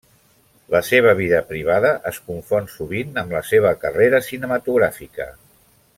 La seva vida privada es confon sovint amb la seva carrera cinematogràfica.